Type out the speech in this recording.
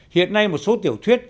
hiện nay một số tiểu thuyết